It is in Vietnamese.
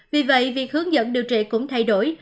vì vậy việc hướng dẫn điều trị cũng thay đổi